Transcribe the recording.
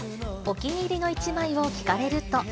お気に入りの一枚を聞かれると。